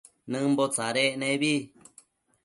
Nëmbo tsadtsec nebi